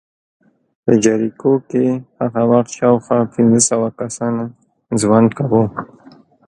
په جریکو کې هغه وخت شاوخوا پنځه سوه کسانو ژوند کاوه